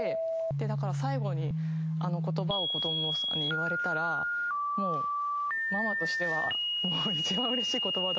だから最後にあの言葉を子どもに言われたらもうママとしては一番嬉しい言葉だろうなと思って。